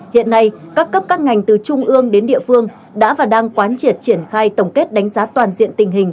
hiện nay các cấp các ngành từ trung ương đến địa phương đã và đang quán triệt triển khai tổng kết đánh giá toàn diện tình hình